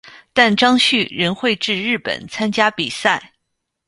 但张栩仍会至日本参加比赛。